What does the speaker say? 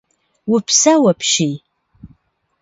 Упсэу апщий.